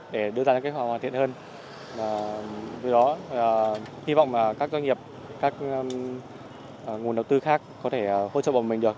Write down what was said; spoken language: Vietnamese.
để đưa ra những kế hoạch hoàn thiện hơn vì đó hy vọng các doanh nghiệp các nguồn đầu tư khác có thể hỗ trợ bọn mình được